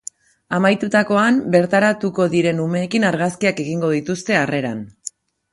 Amaitutakoan, bertaratuko diren umeekin argazkiak egingo dituzte harreran.